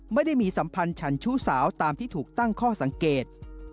ไม่ได้มีสัมพันธ์ฉันชู้สาวตามที่ถูกตั้งข้อสังเกต